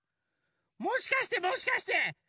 もしかしてもしかして。